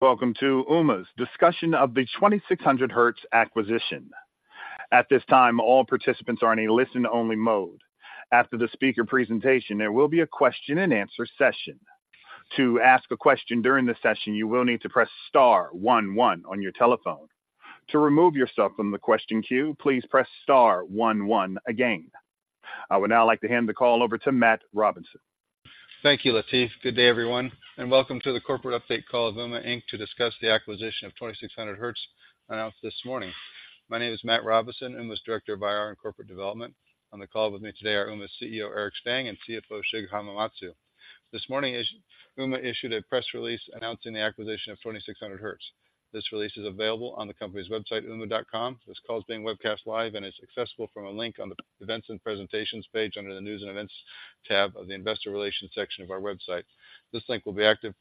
Welcome to Ooma's discussion of the 2600Hz Acquisition. At this time, all participants are in a listen-only mode. After the speaker presentation, there will be a question-and-answer session. To ask a question during the session, you will need to press star one one on your telephone. To remove yourself from the question queue, please press star one one again. I would now like to hand the call over to Matt Robison. Thank you, Latif. Good day, everyone, and welcome to the corporate update call of Ooma, Inc to discuss the acquisition of 2600Hz announced this morning. My name is Matt Robison, Ooma's Director of IR and Corporate Development. On the call with me today are Ooma's CEO, Eric Stang, and CFO, Shig Hamamatsu. This morning, Ooma issued a press release announcing the acquisition of 2600Hz. This release is available on the company's website, ooma.com. This call is being webcast live and is accessible from a link on the Events and Presentations page under the News and Events tab of the Investor Relations section of our website. This link will be active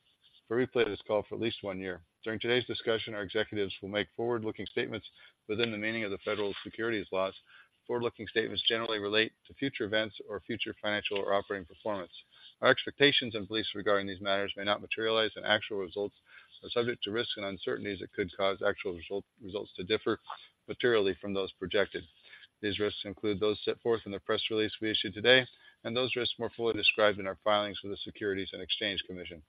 for replay of this call for at least one year. During today's discussion, our executives will make forward-looking statements within the meaning of the federal securities laws. Forward-looking statements generally relate to future events or future financial or operating performance. Our expectations and beliefs regarding these matters may not materialize, and actual results are subject to risks and uncertainties that could cause actual results to differ materially from those projected. These risks include those set forth in the press release we issued today, and those risks more fully described in our filings with the Securities and Exchange Commission.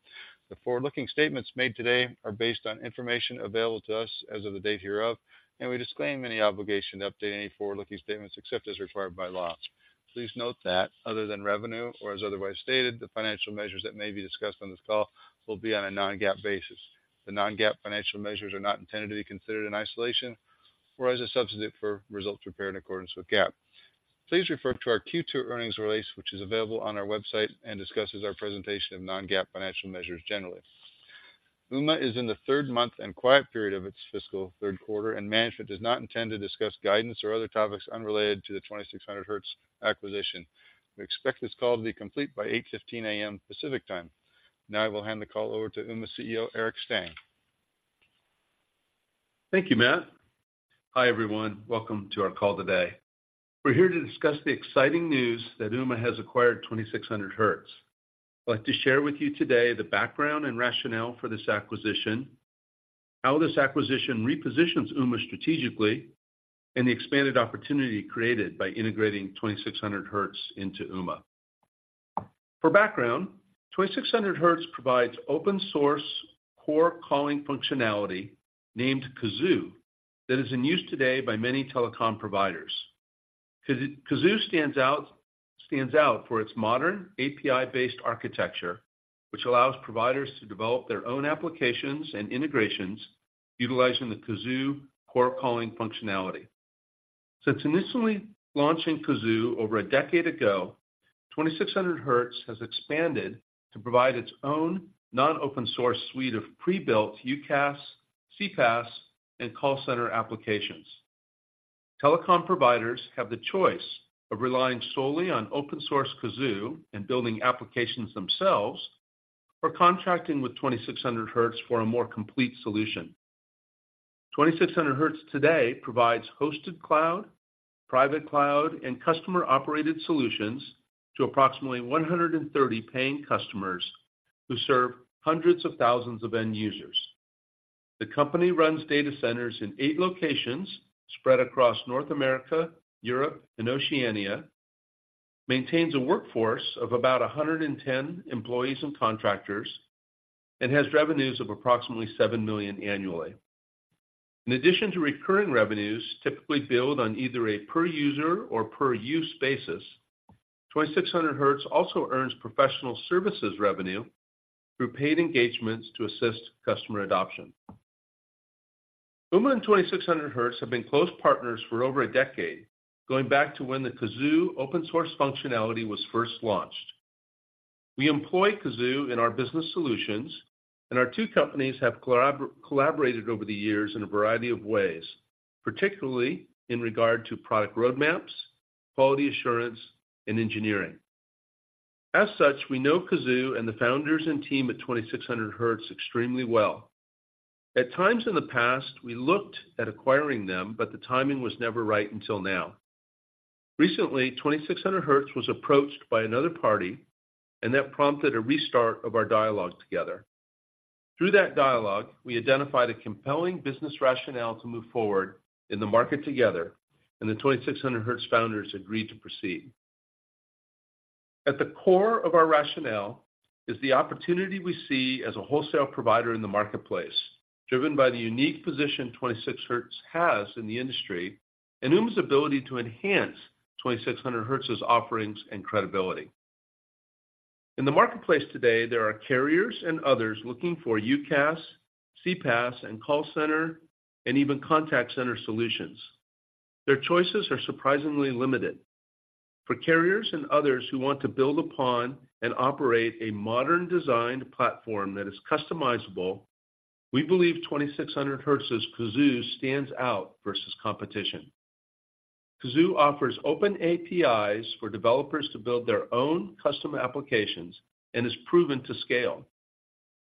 The forward-looking statements made today are based on information available to us as of the date hereof, and we disclaim any obligation to update any forward-looking statements except as required by law. Please note that other than revenue or as otherwise stated, the financial measures that may be discussed on this call will be on a non-GAAP basis. The non-GAAP financial measures are not intended to be considered in isolation or as a substitute for results prepared in accordance with GAAP. Please refer to our Q2 earnings release, which is available on our website and discusses our presentation of non-GAAP financial measures generally. Ooma is in the third month and quiet period of its fiscal third quarter, and management does not intend to discuss guidance or other topics unrelated to the 2600Hz acquisition. We expect this call to be complete by 8:15 A.M. Pacific Time. Now I will hand the call over to Ooma CEO, Eric Stang. Thank you, Matt. Hi, everyone. Welcome to our call today. We're here to discuss the exciting news that Ooma has acquired 2600Hz. I'd like to share with you today the background and rationale for this acquisition, how this acquisition repositions Ooma strategically, and the expanded opportunity created by integrating 2600Hz into Ooma. For background, 2600Hz provides open source, core calling functionality, named Kazoo, that is in use today by many telecom providers. Kazoo stands out for its modern, API-based architecture, which allows providers to develop their own applications and integrations utilizing the Kazoo core calling functionality. Since initially launching Kazoo over a decade ago, 2600Hz has expanded to provide its own non-open source suite of pre-built UCaaS, CPaaS, and call center applications. Telecom providers have the choice of relying solely on open source Kazoo and building applications themselves, or contracting with 2600Hz for a more complete solution. 2600Hz today provides hosted cloud, private cloud, and customer-operated solutions to approximately 130 paying customers who serve hundreds of thousands of end users. The company runs data centers in 8 locations spread across North America, Europe, and Oceania, maintains a workforce of about 110 employees and contractors, and has revenues of approximately $7 million annually. In addition to recurring revenues, typically billed on either a per-user or per-use basis, 2600Hz also earns professional services revenue through paid engagements to assist customer adoption. Ooma and 2600Hz have been close partners for over a decade, going back to when the Kazoo open source functionality was first launched. We employ Kazoo in our business solutions, and our two companies have collaborated over the years in a variety of ways, particularly in regard to product roadmaps, quality assurance, and engineering. As such, we know Kazoo and the founders and team at 2600Hz extremely well. At times in the past, we looked at acquiring them, but the timing was never right until now. Recently, 2600Hz was approached by another party, and that prompted a restart of our dialogue together. Through that dialogue, we identified a compelling business rationale to move forward in the market together, and the 2600Hz founders agreed to proceed. At the core of our rationale is the opportunity we see as a wholesale provider in the marketplace, driven by the unique position 2600Hz has in the industry and Ooma's ability to enhance 2600Hz's offerings and credibility. In the marketplace today, there are carriers and others looking for UCaaS, CPaaS, and call center, and even contact center solutions. Their choices are surprisingly limited. For carriers and others who want to build upon and operate a modern designed platform that is customizable, we believe 2600Hz's Kazoo stands out versus competition. Kazoo offers open APIs for developers to build their own custom applications and is proven to scale.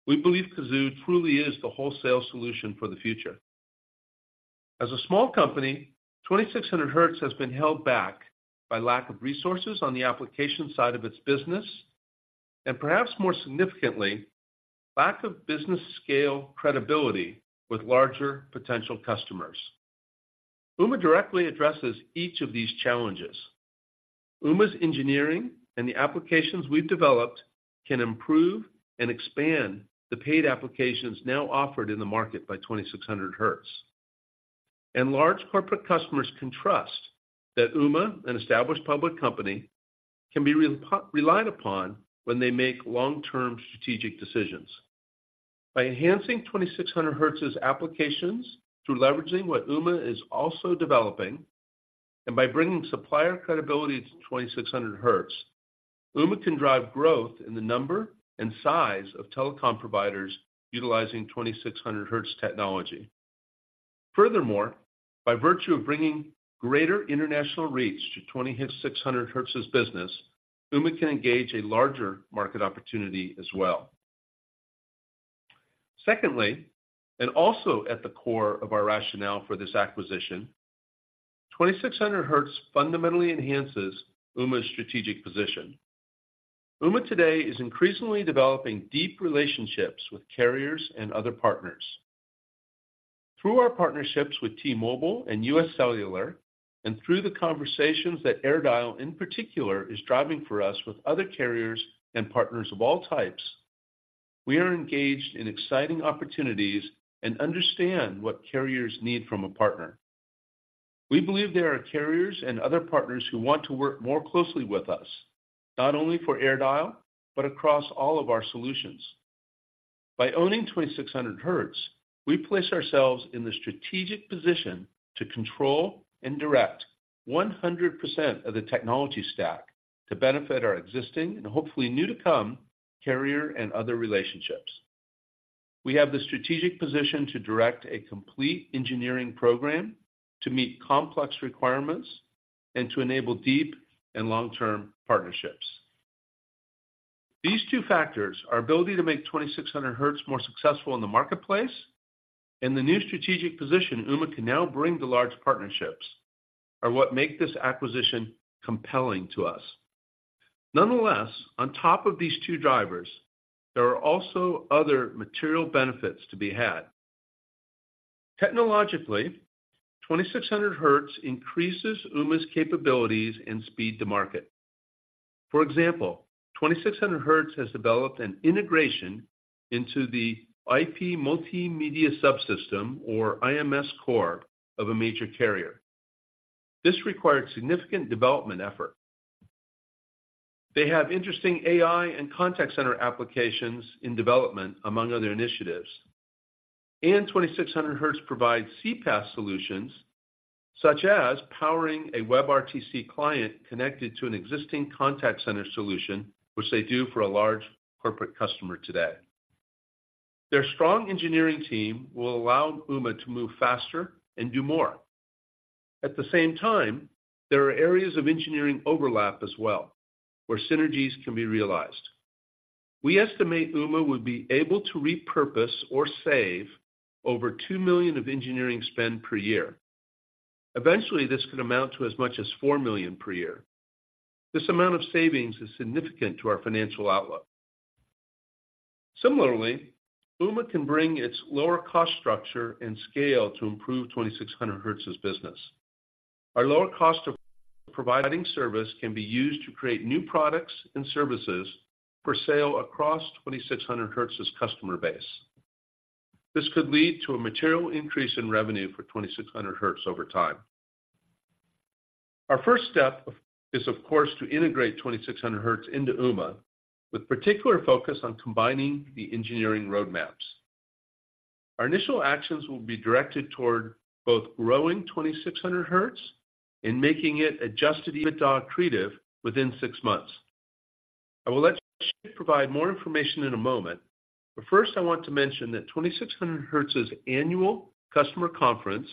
We believe Kazoo truly is the wholesale solution for the future. As a small company, 2600Hz has been held back by lack of resources on the application side of its business, and perhaps more significantly, lack of business scale credibility with larger potential customers. Ooma directly addresses each of these challenges. Ooma's engineering and the applications we've developed can improve and expand the paid applications now offered in the market by 2600Hz. Large corporate customers can trust that Ooma, an established public company, can be relied upon when they make long-term strategic decisions. By enhancing 2600Hz's applications through leveraging what Ooma is also developing, and by bringing supplier credibility to 2600Hz, Ooma can drive growth in the number and size of telecom providers utilizing 2600Hz technology. Furthermore, by virtue of bringing greater international reach to 2600Hz's business, Ooma can engage a larger market opportunity as well. Secondly, and also at the core of our rationale for this acquisition, 2600Hz fundamentally enhances Ooma's strategic position. Ooma today is increasingly developing deep relationships with carriers and other partners. Through our partnerships with T-Mobile and U.S. Cellular, and through the conversations that AirDial, in particular, is driving for us with other carriers and partners of all types, we are engaged in exciting opportunities and understand what carriers need from a partner. We believe there are carriers and other partners who want to work more closely with us, not only for AirDial, but across all of our solutions. By owning 2600Hz, we place ourselves in the strategic position to control and direct 100% of the technology stack to benefit our existing and hopefully new to come, carrier and other relationships. We have the strategic position to direct a complete engineering program to meet complex requirements and to enable deep and long-term partnerships. These two factors, our ability to make 2600Hz more successful in the marketplace, and the new strategic position Ooma can now bring to large partnerships, are what make this acquisition compelling to us. Nonetheless, on top of these two drivers, there are also other material benefits to be had. Technologically, 2600Hz increases Ooma's capabilities and speed to market. For example, 2600Hz has developed an integration into the IP Multimedia Subsystem, or IMS core of a major carrier. This required significant development effort. They have interesting AI and contact center applications in development, among other initiatives. 2600Hz provides CPaaS solutions, such as powering a WebRTC client connected to an existing contact center solution, which they do for a large corporate customer today. Their strong engineering team will allow Ooma to move faster and do more. At the same time, there are areas of engineering overlap as well, where synergies can be realized. We estimate Ooma would be able to repurpose or save over $2 million of engineering spend per year. Eventually, this could amount to as much as $4 million per year. This amount of savings is significant to our financial outlook. Similarly, Ooma can bring its lower cost structure and scale to improve 2600Hz's business. Our lower cost of providing service can be used to create new products and services for sale across 2600Hz's customer base. This could lead to a material increase in revenue for 2600Hz over time. Our first step is, of course, to integrate 2600Hz into Ooma, with particular focus on combining the engineering roadmaps. Our initial actions will be directed toward both growing 2600Hz and making it adjusted EBITDA accretive within six months. I will let Shig provide more information in a moment, but first, I want to mention that 2600Hz's annual customer conference,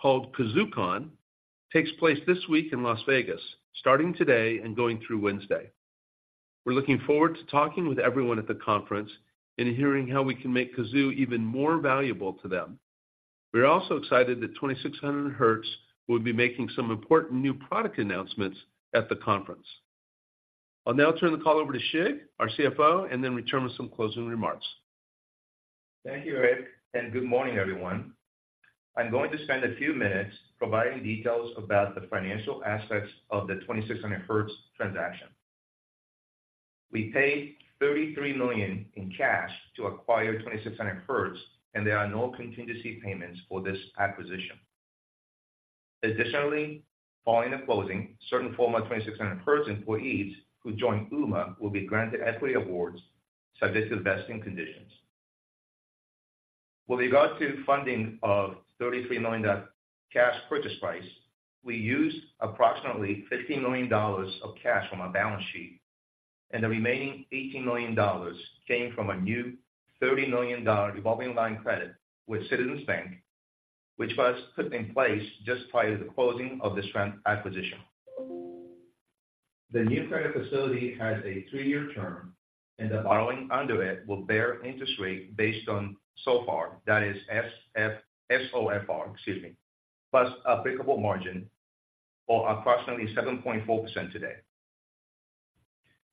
called KazooCon, takes place this week in Las Vegas, starting today and going through Wednesday. We're looking forward to talking with everyone at the conference and hearing how we can make Kazoo even more valuable to them. We're also excited that 2600Hz will be making some important new product announcements at the conference. I'll now turn the call over to Shig, our CFO, and then return with some closing remarks. Thank you, Eric, and good morning, everyone. I'm going to spend a few minutes providing details about the financial aspects of the 2600Hz transaction. We paid $33 million in cash to acquire 2600Hz, and there are no contingency payments for this acquisition. Additionally, following the closing, certain former 2600Hz employees who join Ooma will be granted equity awards, subject to vesting conditions. With regard to funding of $33 million cash purchase price, we used approximately $15 million of cash from our balance sheet, and the remaining $18 million came from a new $30 million revolving line credit with Citizens Bank, which was put in place just prior to the closing of this acquisition. The new credit facility has a two-year term, and the borrowing under it will bear interest rate based on SOFR, that is S-F- SOFR, excuse me, plus applicable margin, or approximately 7.4% today.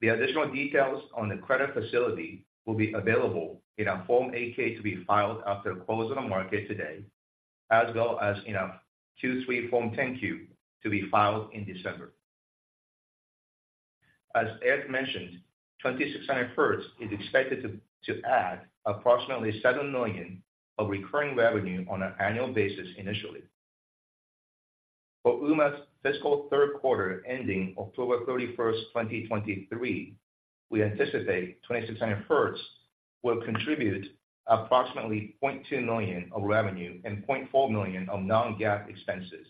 The additional details on the credit facility will be available in a Form 8-K to be filed after the close of the market today, as well as in a 2023 Form 10-Q to be filed in December. As Eric mentioned, 2600Hz is expected to add approximately $7 million of recurring revenue on an annual basis initially. For Ooma's fiscal third quarter, ending October 31, 2023, we anticipate 2600Hz will contribute approximately $0.2 million of revenue and $0.4 million of non-GAAP expenses,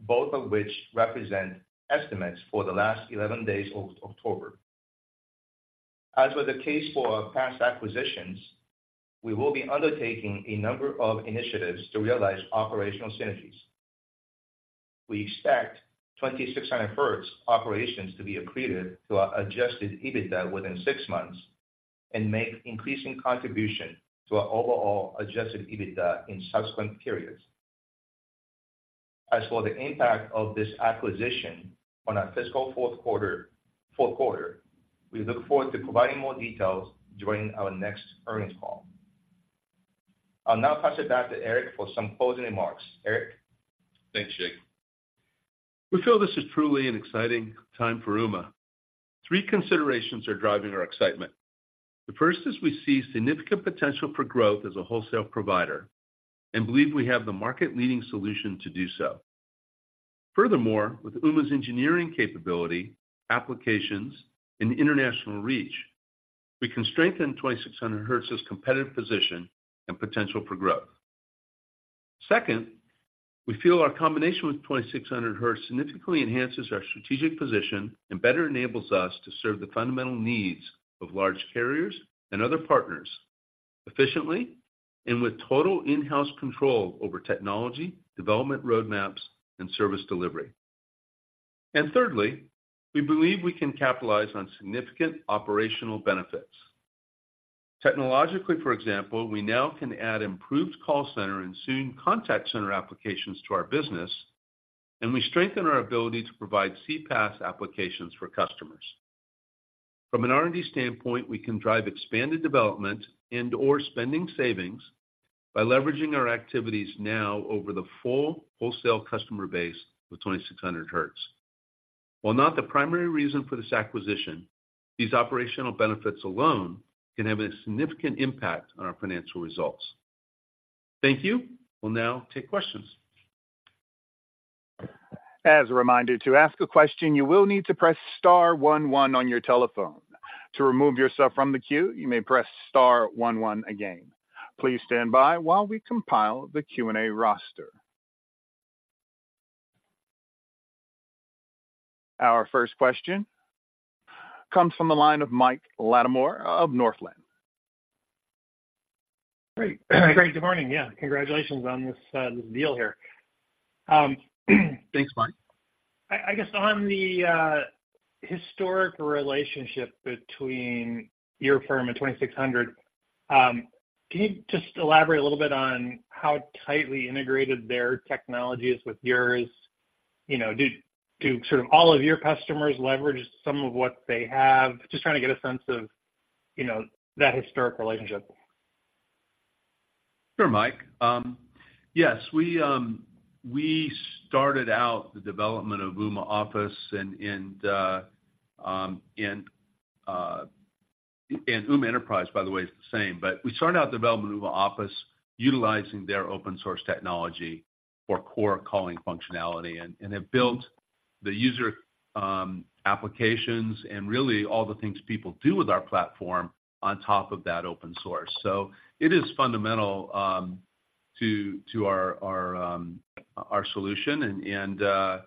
both of which represent estimates for the last 11 days of October. As was the case for our past acquisitions, we will be undertaking a number of initiatives to realize operational synergies. We expect 2600Hz operations to be accretive to our adjusted EBITDA within six months and make increasing contribution to our overall adjusted EBITDA in subsequent periods. As for the impact of this acquisition on our fiscal fourth quarter, fourth quarter, we look forward to providing more details during our next earnings call. I'll now pass it back to Eric for some closing remarks. Eric? Thanks, Shig. We feel this is truly an exciting time for Ooma. Three considerations are driving our excitement. The first is we see significant potential for growth as a wholesale provider and believe we have the market-leading solution to do so. Furthermore, with Ooma's engineering capability, applications, and international reach, we can strengthen 2600Hz's competitive position and potential for growth. Second, we feel our combination with 2600Hz significantly enhances our strategic position and better enables us to serve the fundamental needs of large carriers and other partners efficiently and with total in-house control over technology, development roadmaps, and service delivery. And thirdly, we believe we can capitalize on significant operational benefits. Technologically, for example, we now can add improved call center and soon contact center applications to our business, and we strengthen our ability to provide CPaaS applications for customers. From an R&D standpoint, we can drive expanded development and/or spending savings by leveraging our activities now over the full wholesale customer base with 2600Hz. While not the primary reason for this acquisition, these operational benefits alone can have a significant impact on our financial results. Thank you. We'll now take questions. As a reminder, to ask a question, you will need to press star one one on your telephone. To remove yourself from the queue, you may press star one one again. Please stand by while we compile the Q&A roster. Our first question comes from the line of Mike Latimore of Northland. Great. Great, good morning. Yeah, congratulations on this, this deal here. Thanks, Mike. I guess on the historic relationship between your firm and 2600Hz, can you just elaborate a little bit on how tightly integrated their technology is with yours? You know, sort of all of your customers leverage some of what they have? Just trying to get a sense of, you know, that historic relationship. Sure, Mike. Yes, we started out the development of Ooma Office and Ooma Enterprise, by the way, is the same. But we started out developing Ooma Office, utilizing their open source technology for core calling functionality, and have built the user applications and really all the things people do with our platform on top of that open source. So it is fundamental to our solution.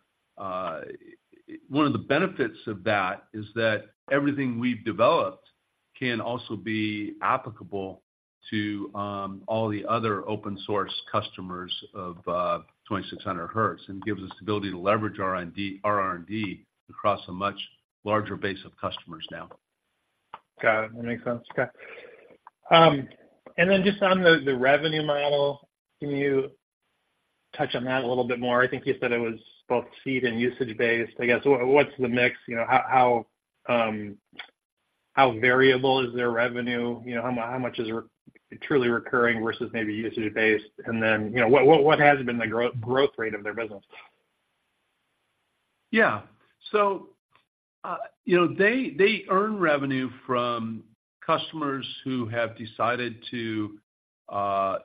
One of the benefits of that is that everything we've developed can also be applicable to all the other open source customers of 2600Hz, and gives us the ability to leverage R&D across a much larger base of customers now. Got it. That makes sense. Okay. And then just on the revenue model, can you touch on that a little bit more? I think you said it was both seat and usage-based. I guess, what's the mix? You know, how variable is their revenue? You know, how much is truly recurring versus maybe usage-based? And then, you know, what has been the growth rate of their business? Yeah. So, you know, they earn revenue from customers who have decided to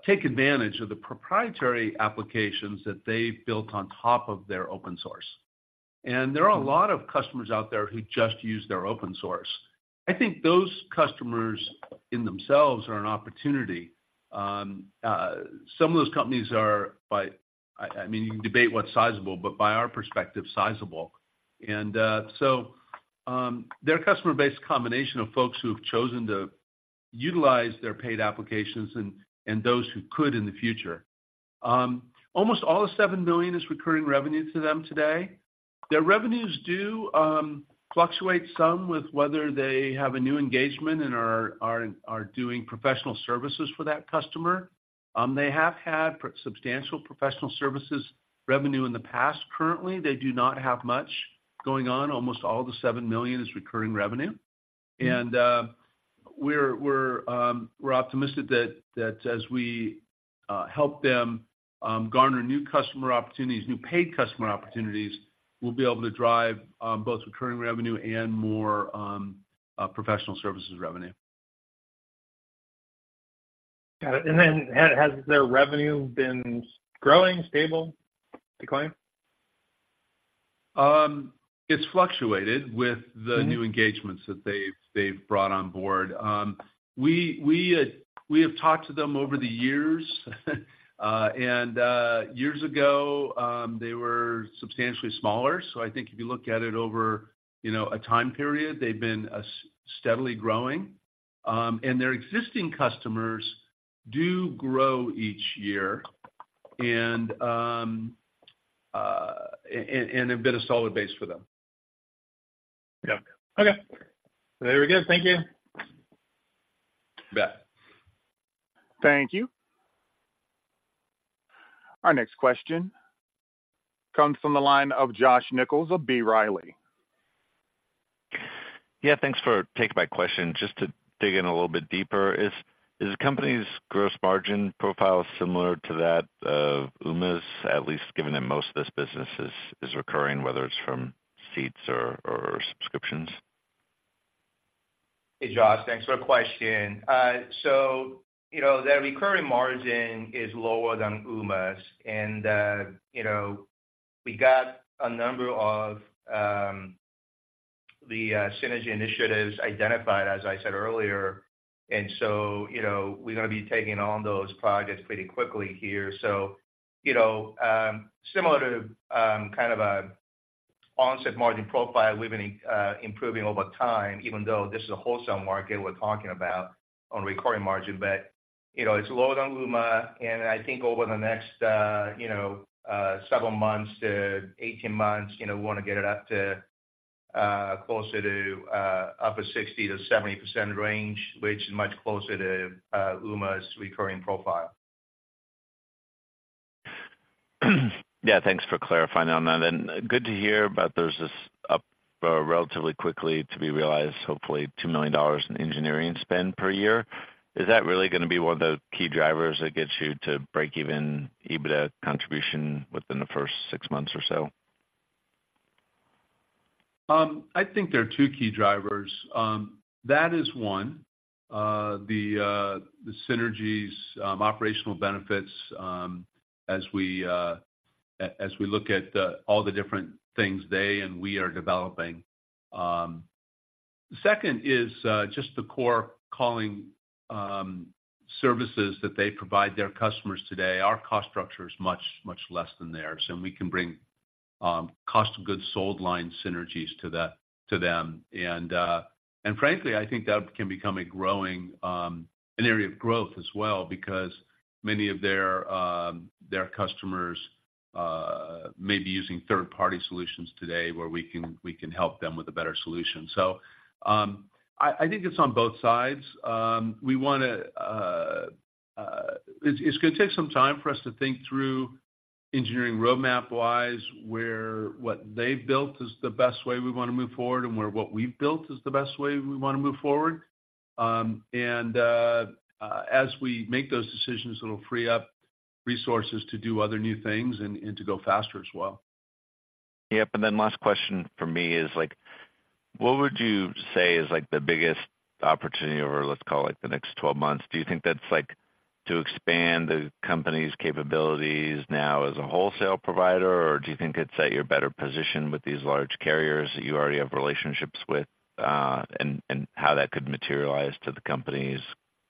take advantage of the proprietary applications that they've built on top of their open source. And there are a lot of customers out there who just use their open source. I think those customers in themselves are an opportunity. Some of those companies are by... I mean, you can debate what's sizable, but by our perspective, sizable. And so, their customer base is a combination of folks who have chosen to utilize their paid applications and those who could in the future. Almost all the $7 million is recurring revenue to them today. Their revenues do fluctuate some with whether they have a new engagement and are doing professional services for that customer. They have had substantial professional services revenue in the past. Currently, they do not have much going on. Almost all the $7 million is recurring revenue. We're optimistic that as we help them garner new customer opportunities, new paid customer opportunities, we'll be able to drive both recurring revenue and more professional services revenue. Got it. And then, has their revenue been growing, stable, declining? It's fluctuated with- Mm-hmm. the new engagements that they've brought on board. We have talked to them over the years, and years ago, they were substantially smaller. So I think if you look at it over, you know, a time period, they've been steadily growing. And their existing customers do grow each year, and have been a solid base for them. Yeah. Okay. Very good. Thank you. You bet. Thank you. Our next question comes from the line of Josh Nichols of B. Riley. Yeah, thanks for taking my question. Just to dig in a little bit deeper, is the company's gross margin profile similar to that of Ooma's, at least given that most of this business is recurring, whether it's from seats or subscriptions? Hey, Josh, thanks for the question. So, you know, their recurring margin is lower than Ooma's, and, you know, we got a number of synergy initiatives identified, as I said earlier, and so, you know, we're gonna be taking on those projects pretty quickly here. So, you know, similar to kind of a onset margin profile, we've been improving over time, even though this is a wholesale market we're talking about on recurring margin. But, you know, it's lower than Ooma, and I think over the next, you know, several months to 18 months, you know, we wanna get it up to closer to upper 60%-70% range, which is much closer to Ooma's recurring profile. Yeah, thanks for clarifying on that. And good to hear, but there's this up relatively quickly to be realized, hopefully $2 million in engineering spend per year. Is that really gonna be one of the key drivers that gets you to breakeven EBITDA contribution within the first six months or so? I think there are two key drivers. That is one, the synergies, operational benefits, as we look at all the different things they and we are developing. The second is just the core calling services that they provide their customers today. Our cost structure is much, much less than theirs, and we can bring cost of goods sold line synergies to them. And frankly, I think that can become a growing area of growth as well, because many of their customers may be using third-party solutions today, where we can help them with a better solution. So, I think it's on both sides. We wanna... It's gonna take some time for us to think through engineering roadmap wise, where what they've built is the best way we wanna move forward, and where what we've built is the best way we wanna move forward. As we make those decisions, it'll free up resources to do other new things and to go faster as well. Yep, and then last question from me is like: what would you say is like the biggest opportunity over, let's call it, the next 12 months? Do you think that's like, to expand the company's capabilities now as a wholesale provider, or do you think it's that you're better positioned with these large carriers that you already have relationships with, and how that could materialize to the company's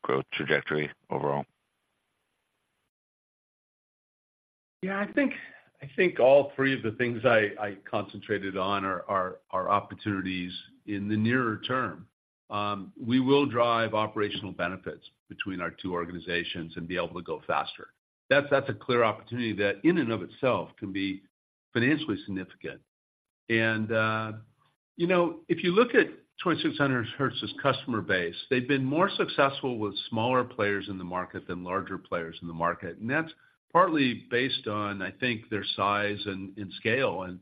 growth trajectory overall? Yeah, I think all three of the things I concentrated on are opportunities in the nearer term. We will drive operational benefits between our two organizations and be able to go faster. That's a clear opportunity that in and of itself can be financially significant. And, you know, if you look at 2600Hz's customer base, they've been more successful with smaller players in the market than larger players in the market. And that's partly based on, I think, their size and scale. And,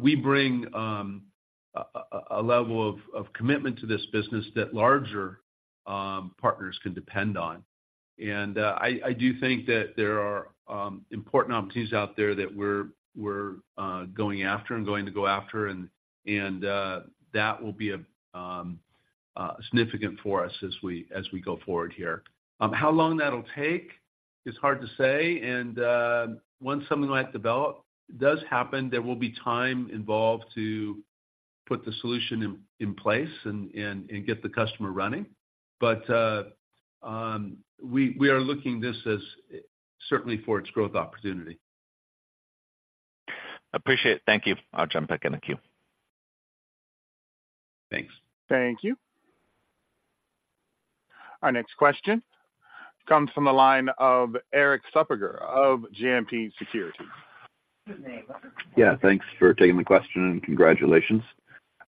we bring a level of commitment to this business that larger partners can depend on. I do think that there are important opportunities out there that we're going after and going to go after, and that will be significant for us as we go forward here. How long that'll take is hard to say, and once something like does happen, there will be time involved to put the solution in place and get the customer running. But we are looking at this as certainly for its growth opportunity. Appreciate it. Thank you. I'll jump back in the queue. Thanks. Thank you. Our next question comes from the line of Erik Suppiger of JMP Securities. Yeah, thanks for taking the question, and congratulations.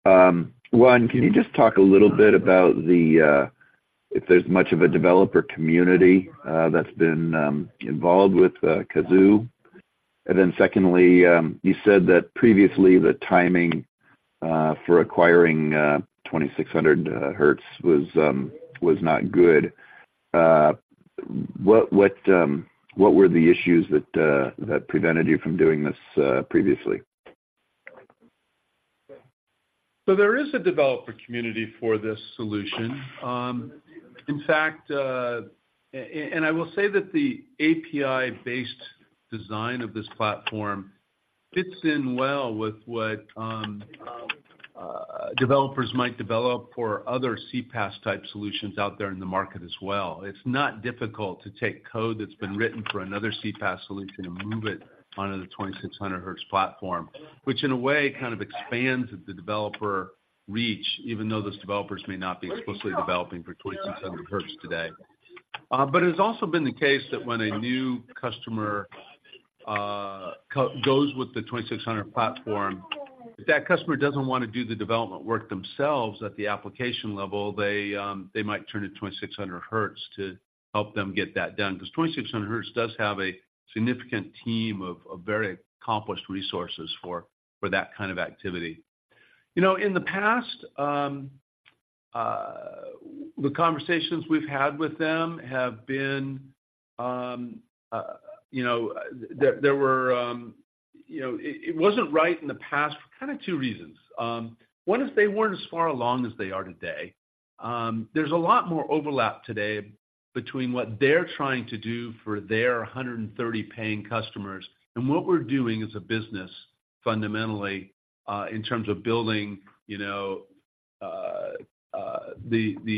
One, can you just talk a little bit about if there's much of a developer community that's been involved with Kazoo? And then secondly, you said that previously the timing for acquiring 2600Hz was not good. What were the issues that prevented you from doing this previously? There is a developer community for this solution. In fact, and I will say that the API-based design of this platform fits in well with what developers might develop for other CPaaS-type solutions out there in the market as well. It's not difficult to take code that's been written for another CPaaS solution and move it onto the 2600Hz platform, which in a way kind of expands the developer reach, even though those developers may not be explicitly developing for 2600Hz today. But it has also been the case that when a new customer goes with the 2600Hz platform, if that customer doesn't want to do the development work themselves at the application level, they might turn to 2600Hz to help them get that done, because 2600Hz does have a significant team of very accomplished resources for that kind of activity. You know, in the past, the conversations we've had with them have been, you know. It wasn't right in the past for kind of two reasons. One is they weren't as far along as they are today. There's a lot more overlap today between what they're trying to do for their 130 paying customers and what we're doing as a business, fundamentally, in terms of building, you know, the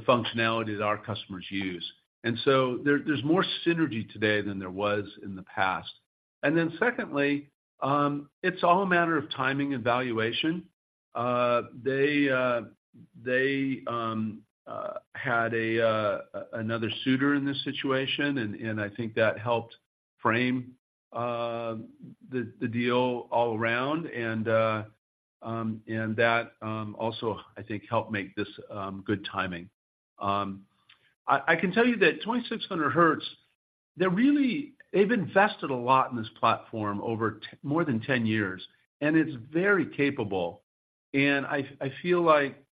functionality that our customers use. And so there's more synergy today than there was in the past. And then secondly, it's all a matter of timing and valuation. They had another suitor in this situation, and I think that helped frame the deal all around, and that also, I think, helped make this good timing. I can tell you that 2600Hz, they've invested a lot in this platform over more than 10 years, and it's very capable. And I feel like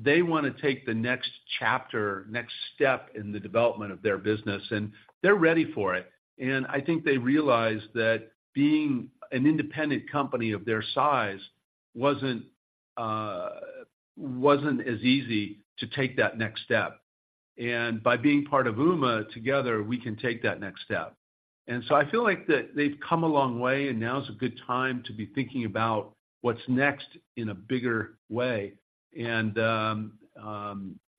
they want to take the next chapter, next step in the development of their business, and they're ready for it. And I think they realize that being an independent company of their size wasn't, wasn't as easy to take that next step. And by being part of Ooma, together, we can take that next step. And so I feel like that they've come a long way, and now is a good time to be thinking about what's next in a bigger way. And,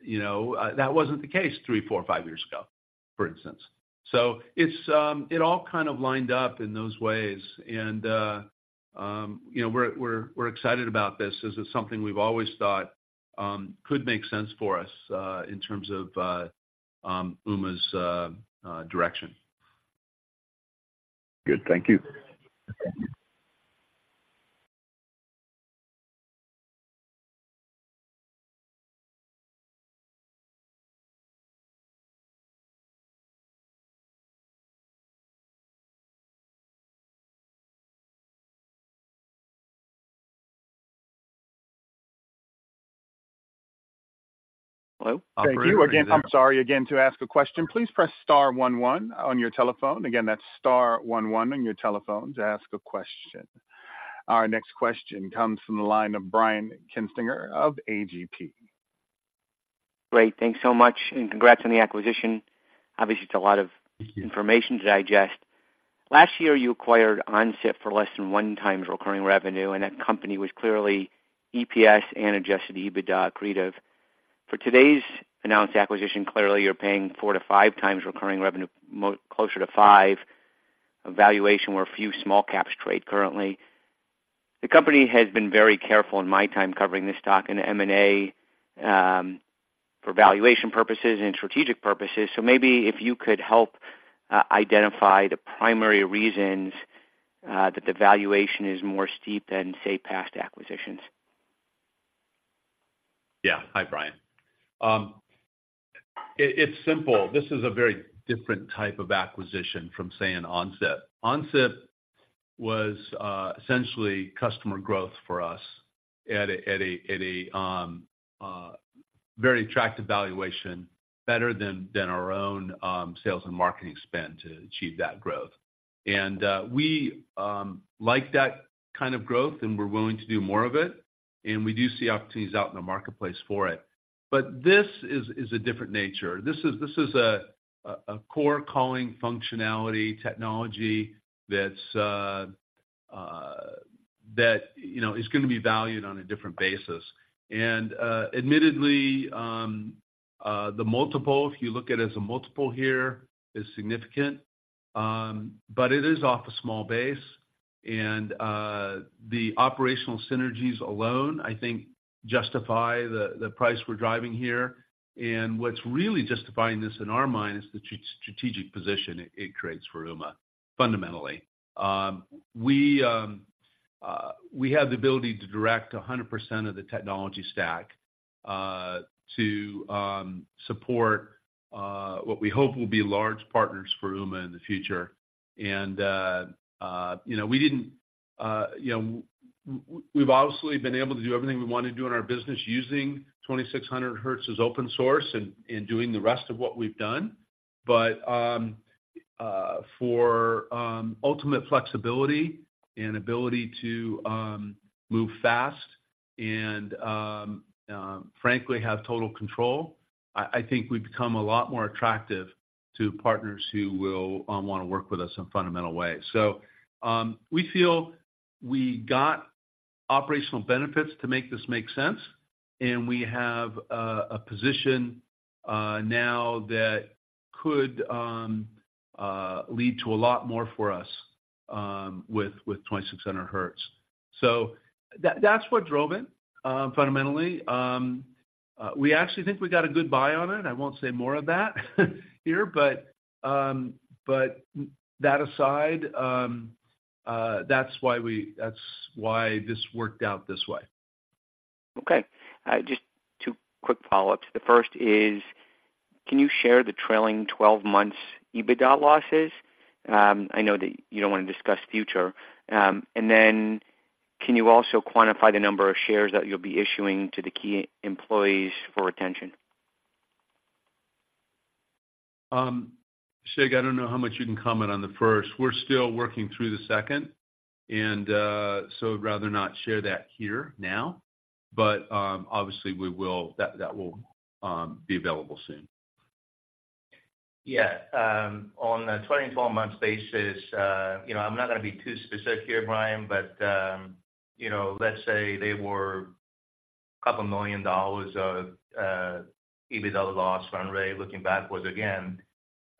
you know, that wasn't the case three, four or five years ago, for instance. So it's, it all kind of lined up in those ways. And, you know, we're excited about this. This is something we've always thought could make sense for us, in terms of Ooma's direction. Good. Thank you. Thank you. Thank you. Again, I'm sorry. Again, to ask a question, please press star one one on your telephone. Again, that's star one one on your telephone to ask a question. Our next question comes from the line of Brian Kinstlinger of AGP. Great. Thanks so much, and congrats on the acquisition. Obviously, it's a lot of- Thank you. - information to digest. Last year, you acquired OnSIP for less than 1x recurring revenue, and that company was clearly EPS and adjusted EBITDA accretive. For today's announced acquisition, clearly, you're paying 4x-5x recurring revenue, closer to 5x, a valuation where few small caps trade currently. The company has been very careful in my time covering this stock and M&A, for valuation purposes and strategic purposes. So maybe if you could help identify the primary reasons that the valuation is more steep than, say, past acquisitions. Yeah. Hi, Brian. It's simple. This is a very different type of acquisition from, say, OnSIP. OnSIP was essentially customer growth for us at a very attractive valuation, better than our own sales and marketing spend to achieve that growth. We like that kind of growth, and we're willing to do more of it, and we do see opportunities out in the marketplace for it. But this is a different nature. This is a core calling functionality technology that's that you know is gonna be valued on a different basis. Admittedly, the multiple, if you look at it as a multiple here, is significant. But it is off a small base, and the operational synergies alone, I think, justify the price we're driving here. And what's really justifying this in our mind is the strategic position it creates for Ooma, fundamentally. We have the ability to direct 100% of the technology stack to support what we hope will be large partners for Ooma in the future. And you know, we didn't, you know, we've obviously been able to do everything we wanna do in our business using 2600Hz as open source and doing the rest of what we've done. For ultimate flexibility and ability to move fast and, frankly, have total control, I think we've become a lot more attractive to partners who will wanna work with us in fundamental ways. So, we feel we got operational benefits to make this make sense, and we have a position now that could lead to a lot more for us with 2600Hz. So that's what drove it, fundamentally. We actually think we got a good buy on it. I won't say more of that here, but that aside, that's why this worked out this way. Okay. Just two quick follow-ups. The first is, can you share the trailing twelve months EBITDA losses? I know that you don't wanna discuss future. And then can you also quantify the number of shares that you'll be issuing to the key employees for retention? Shig, I don't know how much you can comment on the first. We're still working through the second, and so I'd rather not share that here now. But, obviously, we will... That, that will be available soon. Yeah. On a 24-month basis, you know, I'm not gonna be too specific here, Brian, but, you know, let's say they were a couple million dollars of EBITDA loss run rate. Looking backwards again,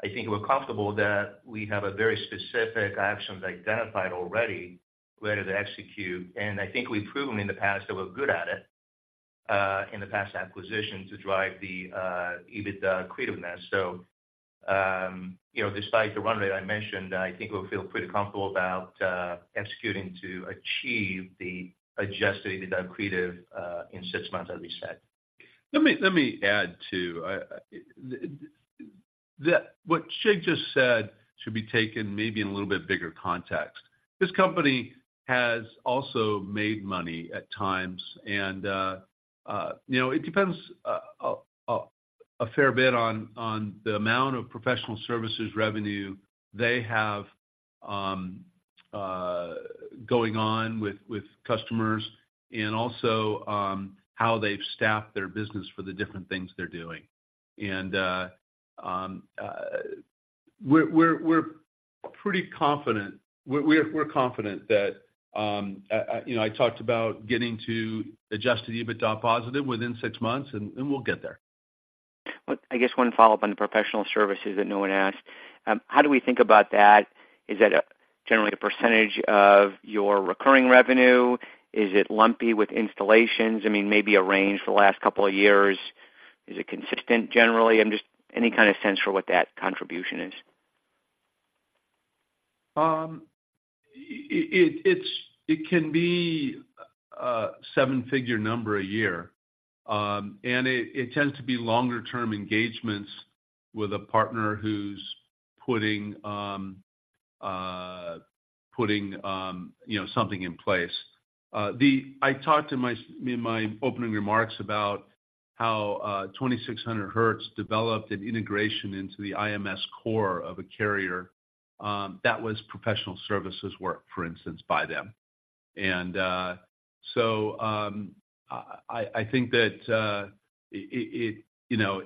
I think we're comfortable that we have a very specific actions identified already, ready to execute, and I think we've proven in the past that we're good at it, in the past acquisitions, to drive the EBITDA accretiveness. So, you know, despite the run rate I mentioned, I think we feel pretty comfortable about executing to achieve the adjusted EBITDA accretive in 6 months, as we said. Let me add to what Shig just said. That should be taken maybe in a little bit bigger context. This company has also made money at times, and, you know, it depends a fair bit on the amount of professional services revenue they have going on with customers and also how they've staffed their business for the different things they're doing. And, we're pretty confident, we're confident that, you know, I talked about getting to adjusted EBITDA positive within six months, and we'll get there. Well, I guess one follow-up on the professional services that no one asked: How do we think about that? Is that generally the percentage of your recurring revenue? Is it lumpy with installations? I mean, maybe a range for the last couple of years. Is it consistent generally? Just any kind of sense for what that contribution is. It can be a seven-figure number a year. And it tends to be longer-term engagements with a partner who's putting, you know, something in place. I talked in my opening remarks about how 2600Hz developed an integration into the IMS core of a carrier, that was professional services work, for instance, by them. So, I think that, you know,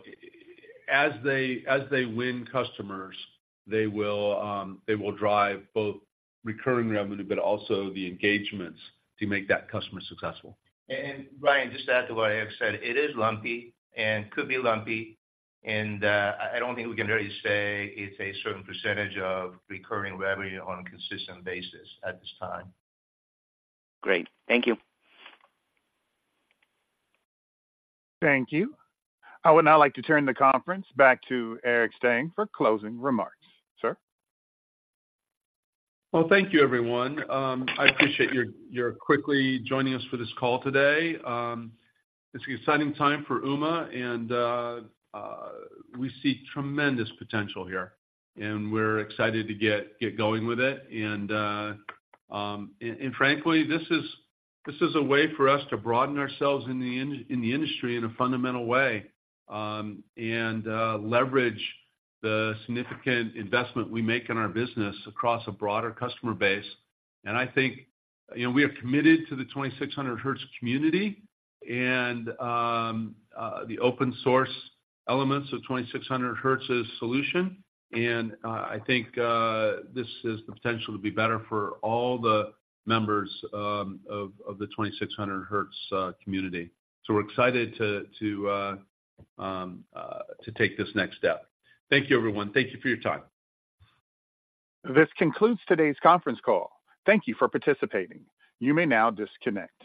as they win customers, they will drive both recurring revenue, but also the engagements to make that customer successful. And Brian, just to add to what Eric said, it is lumpy and could be lumpy, and I don't think we can really say it's a certain percentage of recurring revenue on a consistent basis at this time. Great. Thank you. Thank you. I would now like to turn the conference back to Eric Stang for closing remarks. Sir? Well, thank you, everyone. I appreciate your quickly joining us for this call today. It's an exciting time for Ooma, and we see tremendous potential here, and we're excited to get going with it. Frankly, this is a way for us to broaden ourselves in the industry in a fundamental way, and leverage the significant investment we make in our business across a broader customer base. I think, you know, we are committed to the 2600Hz community and the open source elements of 2600Hz's solution, and I think this has the potential to be better for all the members of the 2600Hz community. So we're excited to take this next step. Thank you, everyone. Thank you for your time. This concludes today's conference call. Thank you for participating. You may now disconnect.